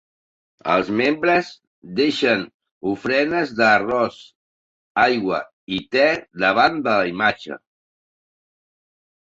Els membres deixen ofrenes d'arròs, aigua i te davant la imatge.